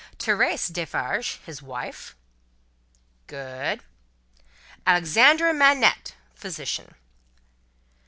"Thérèse Defarge, his wife." "Good." "Alexandre Manette, physician."